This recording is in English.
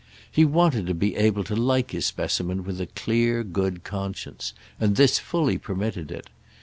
He wanted to be able to like his specimen with a clear good conscience, and this fully permitted it.